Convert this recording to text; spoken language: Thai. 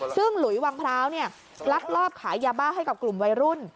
ซึ่งหลุยวังพร้าวลักลอบขายยาบ้าให้กับกลุ่มวัยรุ่น